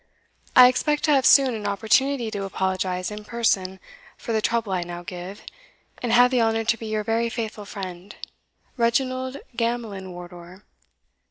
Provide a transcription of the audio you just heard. I expect to have soon an opportunity to apologize in person for the trouble I now give, and have the honour to be your very faithful servant, "Reginald Gamelyn Wardour."